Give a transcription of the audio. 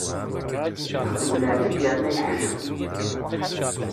Ixdem leεǧeb yerna yeḥǧeb.